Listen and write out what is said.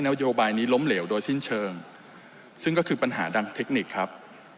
โยบายนี้ล้มเหลวโดยสิ้นเชิงซึ่งก็คือปัญหาดังเทคนิคครับ